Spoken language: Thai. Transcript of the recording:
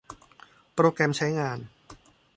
โปรแกรมใช้งาน